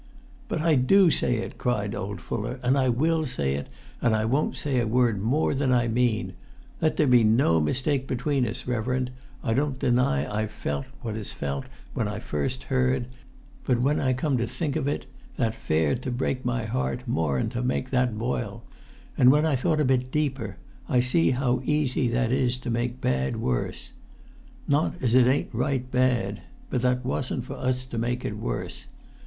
"But I do say it," cried old Fuller, "and I will say it, and I won't say a word more than I mean. Let there be no mistake between us, reverend: I don't deny I felt what is felt when first I heard; but when I[Pg 42] come to think of it, that fared to break my heart more'n to make that boil; and when I thought a bit deeper, I see how easy that is to make bad worse. Not as it ain't right bad; but that wasn't for us to make it worse.